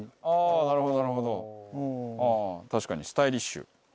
ああ確かにスタイリッシュ。